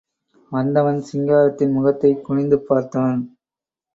வந்தவன் சிங்காரத்தின் முகத்தைக் குனிந்து பார்த்தான்.